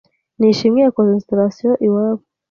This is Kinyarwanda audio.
Nishimwe yakoze installation iwabo